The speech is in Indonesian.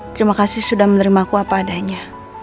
terima kasih sudah menerimaku apa adanya